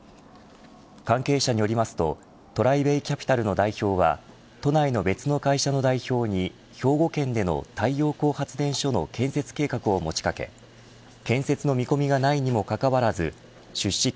関係者によりますとトライベイキャピタルの代表は都内の別の会社の代表に兵庫県での太陽光発電所の建設計画を持ちかけ建設の見込みがないのにもかかわらず出資金